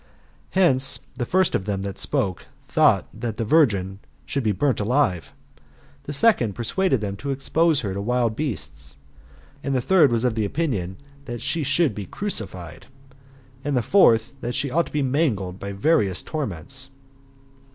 Hence, the first of them that spoke, thought that the virgin should be burnt alive ; the second persuaded them to expose her to wild beasts ; the third was of opinion that she should be crucified ; and the fourth, that she should be mangled by various torments.